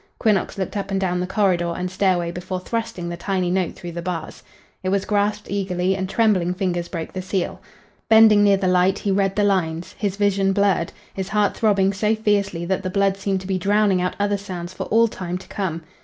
Quinnox looked up and down the corridor and stairway before thrusting the tiny note through the bars. It was grasped eagerly and trembling fingers broke the seal. Bending near the light he read the lines, his vision blurred, his heart throbbing so fiercely that the blood seemed to be drowning out other sounds for all time to come.